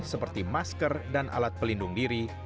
seperti masker dan alat pelindung diri